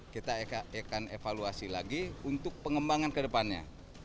kita akan evaluasi lagi untuk pengembangan ke depannya